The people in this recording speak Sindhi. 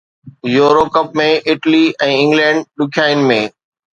يورو ڪپ ۾ اٽلي ۽ انگلينڊ ڏکيائين ۾